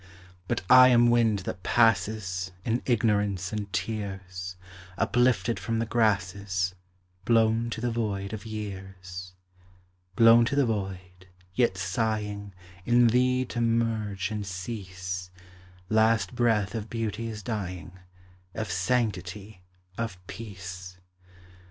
But I am wind that passes In ignorance and tears, Uplifted from the grasses, Blown to the void of years, Blown to the void, yet sighing In thee to merge and cease, Last breath of beauty's dying, Of sanctity, of peace!